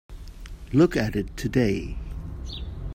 Look at it today.